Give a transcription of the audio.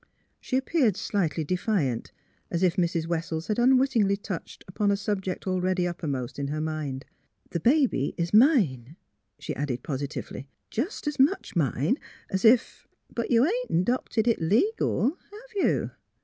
She appeared slightly defiant, as if Mrs. Wes sels had unwittingly touched upon a subject al ready uppermost in her mind. '' The baby is mine," she added, positively, "— just as much mine as if "'' But you ain't 'dopted it legal, have you?